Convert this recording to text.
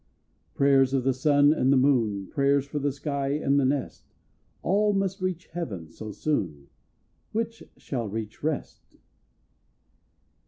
Prayers of the sun and the moon, Prayers for the sky and the nest, All must reach haven so soon Which shall reach rest?